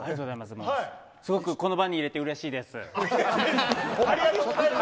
すごくこの場にいれて、うれしいです。